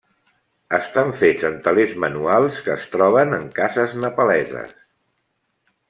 Estan fets en telers manuals que es troben en cases nepaleses.